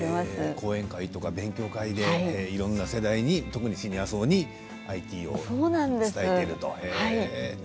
講演会とか勉強会でいろんな世代に、特にシニア層にＩＴを伝えているんですね。